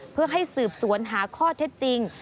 เพื่อให้สืบสวนหาข้อเท็จจริง